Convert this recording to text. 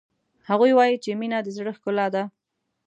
هغوی وایي چې مینه د زړه ښکلا ده